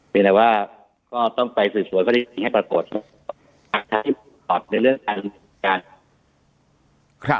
เนี้ยว่าก็ต้องไปสืบสวนพอดีให้ปรากฏตอบในเรื่องการการ